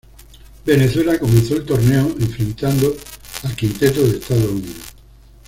Venezuela comenzó el torneo enfrentando al quinteto de Estados Unidos.